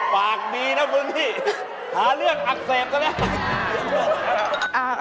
ปากดีนะมึงนี่หาเลื่อนอักเสบเปล่านี้